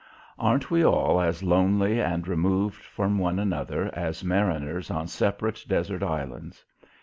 Aren't we all as lonely and removed from one another as mariners on separate desert islands?